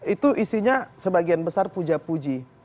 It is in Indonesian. itu isinya sebagian besar puja puji